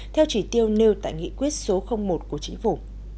theo chỉ tiêu nêu tại nghị quyết số một của chính phủ